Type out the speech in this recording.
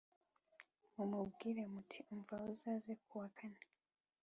mumubwire muti Umva uzaze ku wa kane.